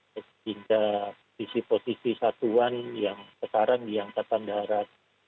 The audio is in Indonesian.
sehingga posisi posisi satuan yang sekarang diangkatan darat